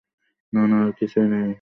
না না, আর কিছু নেই, পূজা।